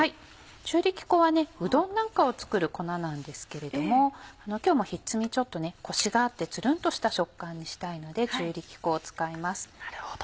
中力粉はうどんなんかを作る粉なんですけれども今日もひっつみコシがあってつるんとした食感にしたいので中力粉を使います。